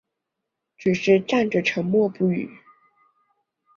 只是站着沉默不语